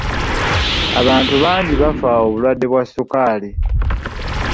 Abantu bangi bafa obulwadde bwa sukaali.